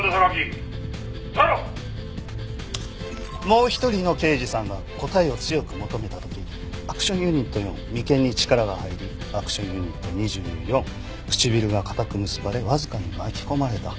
もう１人の刑事さんが答えを強く求めた時アクションユニット４眉間に力が入りアクションユニット２４唇が固く結ばれわずかに巻き込まれた。